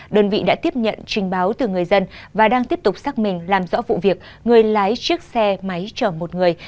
đơn vị đã tiếp nhận trình báo từ người dân và đang tiếp tục xác minh làm rõ vụ việc người lái chiếc xe máy chở một người